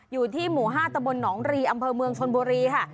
อยู่ที่หมู่๕ตะบลหนองรีอำเภอเมืองชนบุรีค่ะ